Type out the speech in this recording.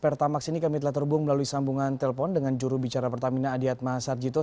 pertamax ini kami telah terhubung melalui sambungan telpon dengan juru bicara pertamina adiatma sarjito